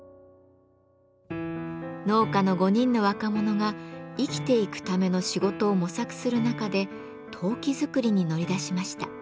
農家の５人の若者が生きていくための仕事を模索する中で陶器作りに乗り出しました。